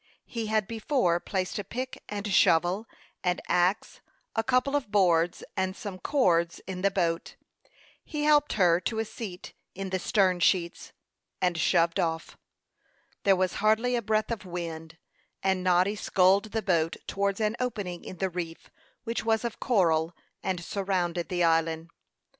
He had before placed a pick and shovel, an axe, a couple of boards and some cords in the boat. He helped her to a seat in the stern sheets, and shoved off. There was hardly a breath of wind, and Noddy sculled the boat towards an opening in the reef, which was of coral, and surrounded the island.